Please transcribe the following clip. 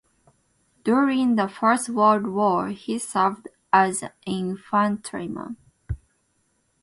During the First World War he served as an infantryman.